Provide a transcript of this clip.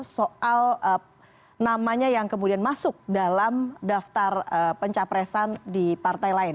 soal namanya yang kemudian masuk dalam daftar pencapresan di partai lain